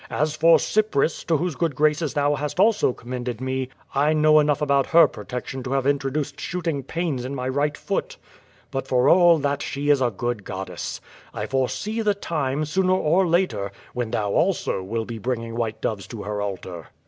As for Cypris, to whose good graces thou hast also commended me, I know enough about her protection to have introduced shooting pains in my right foot. But for all that she is a good goddess. I foresee the time, sooner or later, when thou also will be bringing white doves to her altar."